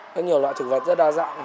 rất nhiều loại thực vật rất đa dạng